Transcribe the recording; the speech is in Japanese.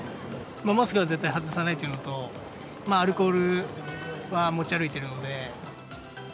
マスクは絶対外さないっていうのと、アルコールは持ち歩いているので。